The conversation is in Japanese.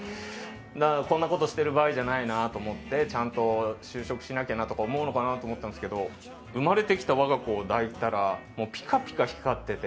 こんなことしてる場合じゃないなと思ってちゃんと就職しなきゃなって思うのかなと思ったんですけど生まれてきた我が子を抱いたらピカピカ光ってて。